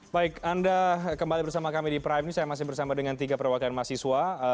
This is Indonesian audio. baik anda kembali bersama kami di prime ini saya masih bersama dengan tiga perwakilan mahasiswa